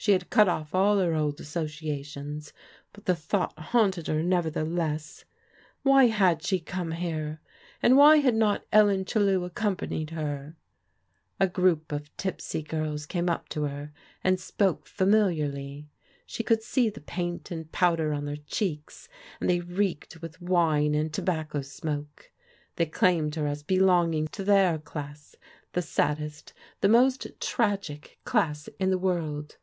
She had cut off all her old associations! but the thought haunted her, nevertheless. Why had she come here? And why had not Ellen Chellew accompanied her? A group of tipsy girls came up to her and spoke fa miliarly. She could see the paint and powder on their cheeks, and they reeked with wine and tobacco smoke; they claimed her as belonging to their class, — the saddest, the most tragic class in the world.